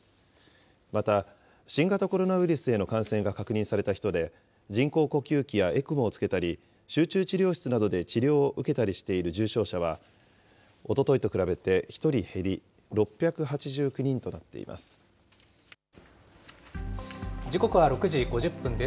また、新型コロナウイルスへの感染が確認された人で、人工呼吸器やＥＣＭＯをつけたり、集中治療室などで治療を受けたりしている重症者は、おとといと比べて１人減り、６８９人となっています。